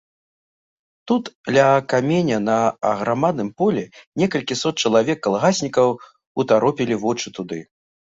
Тут ля каменя на аграмадным полі некалькі сот чалавек калгаснікаў утаропілі вочы туды.